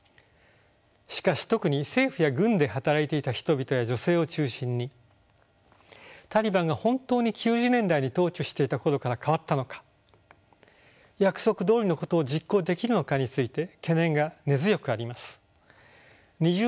しかし特に政府や軍で働いていた人々や女性を中心にタリバンが本当に９０年代に統治していた頃から変わったのか約束どおりのことを実行できるのかについて懸念が根強くあります。